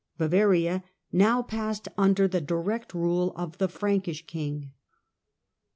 Bavaria now passed under the direct rule of the Frankish king.